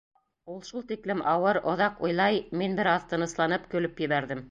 Ул шул тиклем ауыр, оҙаҡ уйлай, мин бер аҙ тынысланып, көлөп ебәрҙем.